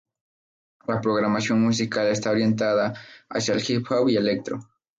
La programación musical está orientada hacia el hip hop y electro.